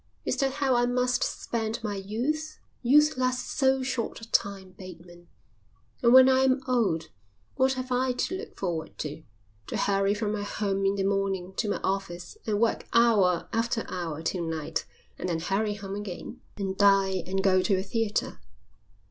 Is that how I must spend my youth? Youth lasts so short a time, Bateman. And when I am old, what have I to look forward to? To hurry from my home in the morning to my office and work hour after hour till night, and then hurry home again, and dine and go to a theatre?